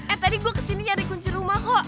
eh tadi gue kesini nyari kunci rumah kok